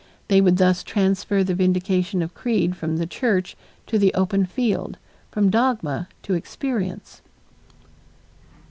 They would thus transfer the vindication of creed from the church to the open field, from dogma to experience.